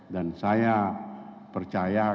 dan saya percaya